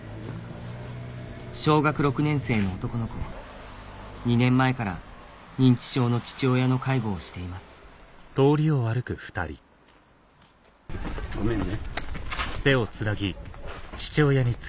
小学６年生の男の子２年前から認知症の父親の介護をしていますごめんね。